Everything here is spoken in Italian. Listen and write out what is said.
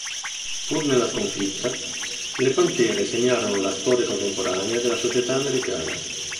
Pur nella sconfitta, le Pantere segnarono la storia contemporanea della società americana.